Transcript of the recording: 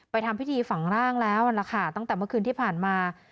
ทำพิธีฝังร่างแล้วนะคะตั้งแต่เมื่อคืนที่ผ่านมา